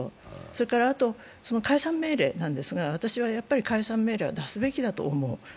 それから解散命令なんですが私は解散命令は出すべきだと思う。